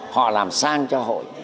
họ làm sang cho hội